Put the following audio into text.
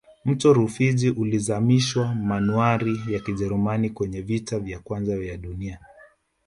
mto rufiji ulizamishwa manuari ya kijerumani kwenye vita vya kwanza vya duniani